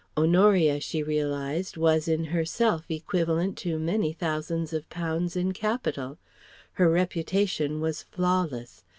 Honoria, she realized, was in herself equivalent to many thousands of pounds in capital. Her reputation was flawless.